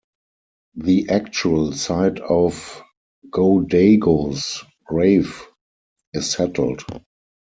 The actual site of Go-Daigo's grave is settled.